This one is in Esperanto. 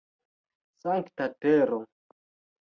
Sankta tero!